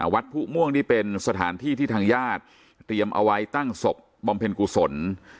วัดผู้ม่วงนี่เป็นสถานที่ที่ทางญาติเตรียมเอาไว้ตั้งศพบำเพ็ญกุศล